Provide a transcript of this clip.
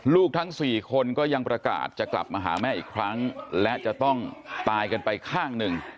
ทั้งสี่คนก็ยังประกาศจะกลับมาหาแม่อีกครั้งและจะต้องตายกันไปข้างหนึ่ง